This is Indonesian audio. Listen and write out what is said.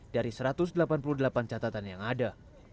dari satu ratus delapan puluh delapan catatan yang ada